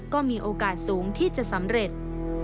ก็มีโอกาสสูงที่จะสำเร็จ